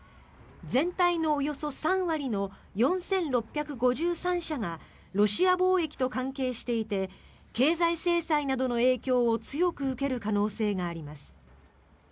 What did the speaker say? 全体のおよそ３割の４６５３社がロシア貿易と関係していて経済制裁などの影響を強く受ける可能性があります。